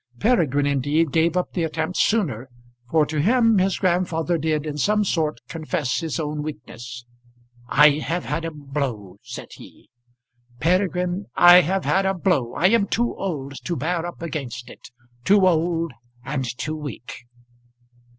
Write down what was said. Peregrine, indeed, gave up the attempt sooner, for to him his grandfather did in some sort confess his own weakness. "I have had a blow," said he; "Peregrine, I have had a blow. I am too old to bear up against it; too old and too weak."